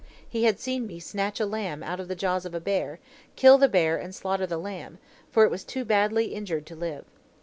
He had seen me snatch a lamb out of the jaws of a bear, kill the bear, and slaughter the lamb, for it was too badly injured to live.